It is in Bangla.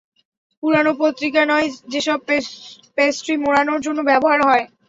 পুরানো পত্রিকা নয় যেসব প্যাস্ট্রি মোড়ানোর জন্য ব্যবহার হয়।